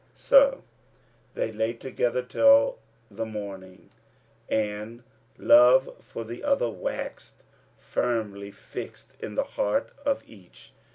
So they lay together till the morning and love for the other waxed firmly fixed in the heart of each.